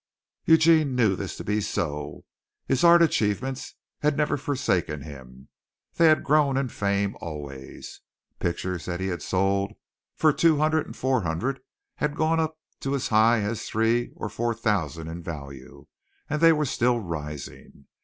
Eugene knew this to be so. His art achievements had never forsaken him. They had grown in fame always. Pictures that he had sold for two hundred and four hundred had gone up to as high as three and four thousand in value, and they were still rising.